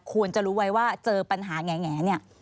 ควรจะรู้ไว้ว่าเจอปัญหาแงเนี่ย